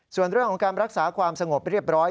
ส่วนเรื่องของการรักษาความสงบเรียบร้อย